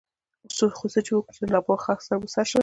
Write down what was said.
خو څه وکړو چې له ناپوهه خلکو سره مو سر شوی.